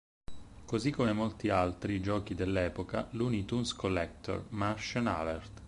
Così come molti altri giochi dell'epoca, "Looney Tunes Collector: Martian Alert!